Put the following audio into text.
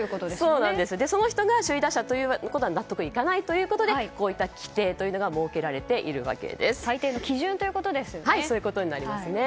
その人が首位打者ということは納得いかないということでこうした規定というのが最低の基準ということですよね。